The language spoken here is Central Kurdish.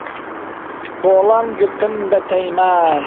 کۆڵان گرتن بە تەیمان